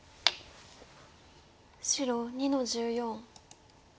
白２の十四。